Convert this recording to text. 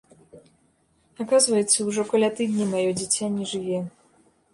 Аказваецца, ужо каля тыдня маё дзіця не жыве.